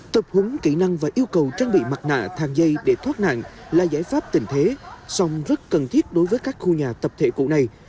tập húng kỹ năng và yêu cầu trang bị mặt nạ thang dây để thoát nạn là giải pháp tình thế song rất cần thiết đối với các khu nhà tập thể cũ này